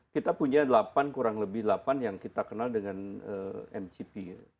kita punya delapan kurang lebih delapan yang kita kenal dengan mgp